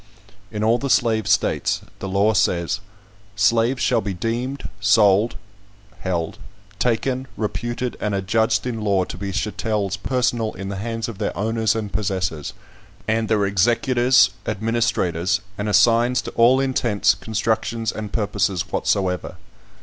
In all the slave states, the law says: "Slaves shall be deemed, sold [held], taken, reputed, and adjudged in law to be chattels personal in the hands of their owners and possessors, and their executors, administrators and assigns, to all intents, constructions, and purposes whatsoever.